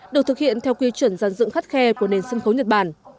được thực hiện theo quy chuẩn giàn dựng khắt khe của nền sân khấu nhật bản